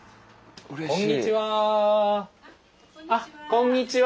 こんにちは。